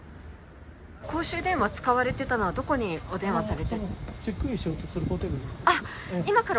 公衆電話使われてたのは、どこにお電話されてたんですか。